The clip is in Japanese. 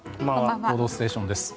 「報道ステーション」です。